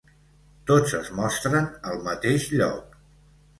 Tots es mostren al mateix lloc.